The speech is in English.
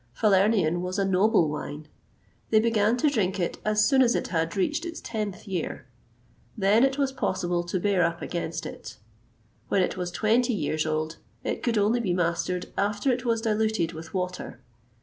Falernian was a noble wine! They began to drink it as soon as it had reached its tenth year. Then it was possible to bear up against it. When it was twenty years old, it could only be mastered after it was diluted with water.